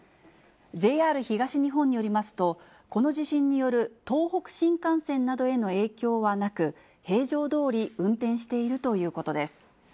ＪＲ東日本によりますと、この地震による東北新幹線などへの影響はなく、平常どおり運転しているということです。